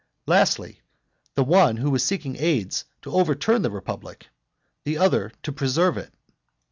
Lastly, the one was seeking aids to overturn the republic; the other to preserve it.